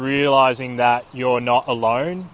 jadi kami sangat berharap ini bisa dilakukan